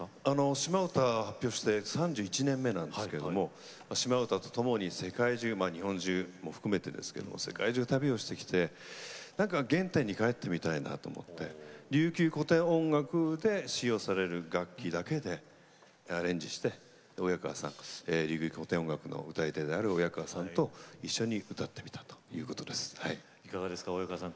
「島唄」を発表して３１年目なんですが「島唄」ともに世界中日本を含めてですが世界中を旅をしてきて何か原点に帰ってみたいなと琉球古典音楽で使用される楽器だけでアレンジして古典音楽の歌い手である親川さんと一緒に歌ってみたというわけです。